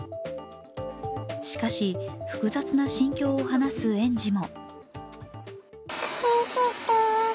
しかし、複雑な心境を話す園児も。